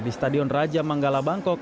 di stadion raja manggala bangkok